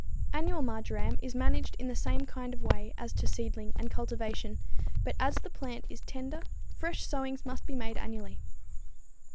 Annual marjoram is managed in the same kind of way as to seeding and cultivation; but as the plant is tender, fresh sowings must be made annually.